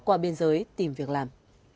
qua biên giới tìm việc làm